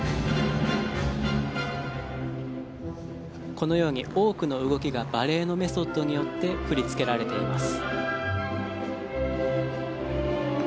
このように多くの動きがバレエのメソッドによって振り付けられています。